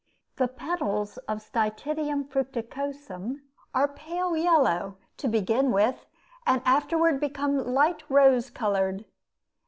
The petals of Stytidium fructicosum are pale yellow to begin with, and afterward become light rose colored.